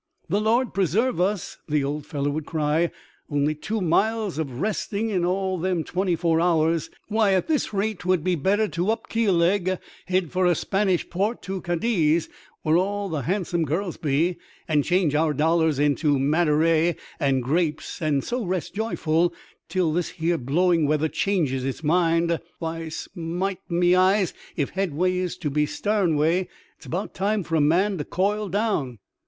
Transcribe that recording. " The Lord preserve us !" the old fellow would cry, . "only two miles of westing in all them twenty four hours ! Why, at this rate, 'twould be better to up keeleg, head for a Spanish port — to Cadiz, where all the hand some girls be, and change our dollars into Madeirey and grapes, and so rest joyful till this here blowing weather ' changes its mind. Why, smite mj'' eyes ! if headway is to be starnway, it's about time for a man to coil down."